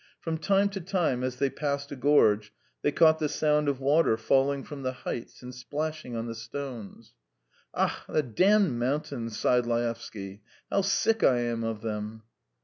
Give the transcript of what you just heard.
From time to time as they passed a gorge they caught the sound of water falling from the heights and splashing on the stones. "Ach, the damned mountains!" sighed Laevsky. "How sick I am of them!"